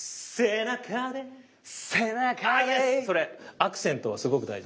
アクセントはすごく大事。